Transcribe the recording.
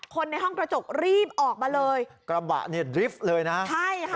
ในห้องกระจกรีบออกมาเลยกระบะเนี่ยดริฟต์เลยนะใช่ค่ะ